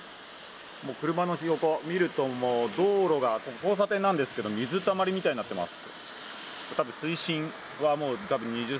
車の横を見ると道路が交差点なんですけれども、水たまりみたいになってます。